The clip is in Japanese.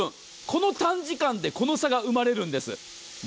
この短時間でこの差が生まれるんです。